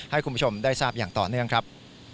ให้คุณผู้ชมได้ทราบอย่างต่อเนื่องครับ